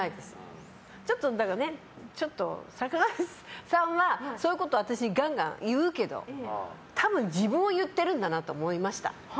ちょっと、坂上さんはそういうことを私にガンガン言うけど多分、自分を言っているんだなと思いました。